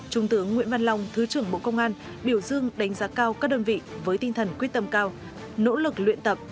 trung tướng nguyễn văn long thứ trưởng bộ công an biểu dương đánh giá cao các đơn vị với tinh thần quyết tâm cao nỗ lực luyện tập